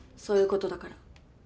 そういうことだから。